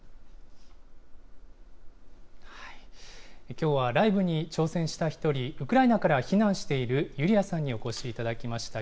きょうはライブに挑戦した１人、ウクライナから避難しているユリヤさんにお越しいただきました。